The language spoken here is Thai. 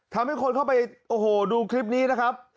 ทำให้คนเข้าไปโอ้โหดูคลิปนี้นะครับ